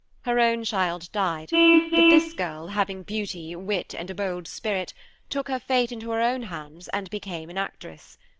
Her own child died, but this girl, having beauty, wit and a bold spirit, took her fate into her own hands, and became an actress.